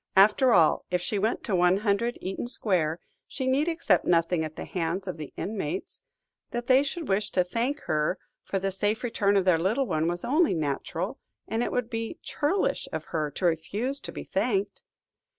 After all, if she went to 100, Eaton Square, she need accept nothing at the hands of the inmates: that they should wish to thank her for the safe return of their little one was only natural, and it would be churlish of her to refuse to be thanked.